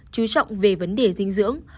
bốn chú trọng về vấn đề dinh dưỡng